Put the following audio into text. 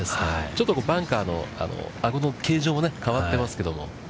ちょっとバンカーのアゴの形状も変わってますけども。